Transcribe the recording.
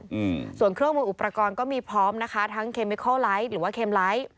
อืมส่วนเครื่องมืออุปกรณ์ก็มีพร้อมนะคะทั้งหรือว่า